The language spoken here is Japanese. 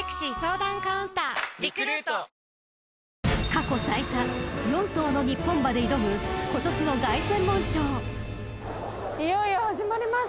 ［過去最多４頭の日本馬で挑むことしの凱旋門賞］